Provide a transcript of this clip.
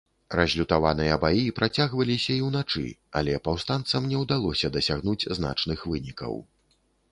Разлютаваныя баі працягваліся і ўначы, але паўстанцам не ўдалося дасягнуць значных вынікаў.